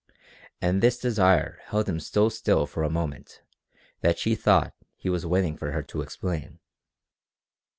And this desire held him so still for a moment that she thought he was waiting for her to explain.